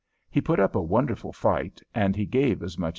He put up a wonderful fight and he gave as much as he took.